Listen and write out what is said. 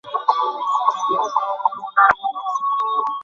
যদি তারা ইতিমধ্যে এটি পেয়ে থাকে?